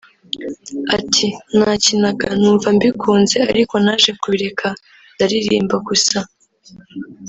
Ati “Nakinaga numva mbikunze ariko naje kubireka ndaririmba gusa